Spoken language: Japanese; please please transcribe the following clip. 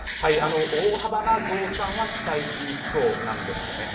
大幅な増産は期待しにくそうなんですよね。